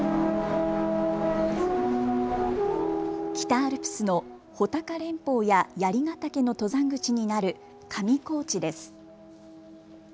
北アルプスの穂高連峰や槍ヶ岳の登山口になる上高地です。